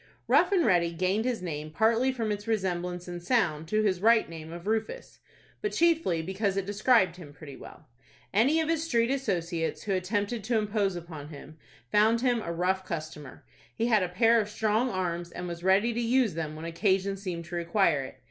Rough and Ready gained his name partly from its resemblance in sound to his right name of Rufus, but chiefly because it described him pretty well. Any of his street associates, who attempted to impose upon him, found him a rough customer. He had a pair of strong arms, and was ready to use them when occasion seemed to require it.